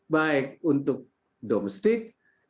baik untuk domestik